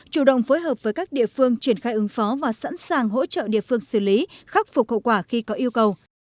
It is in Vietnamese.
chủ động phối hợp với các địa phương triển khai ứng phó và sẵn sàng hỗ trợ địa phương xử lý khắc phục hậu quả khi có yêu cầu